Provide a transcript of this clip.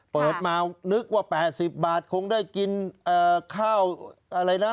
เปิดมานึกว่า๘๐บาทคงได้กินข้าวอะไรนะ